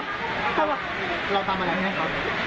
แล้วตำอะไรให้เขา